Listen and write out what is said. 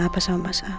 apa yang terjadicznie